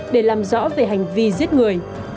để làm rõ về hành vi giết người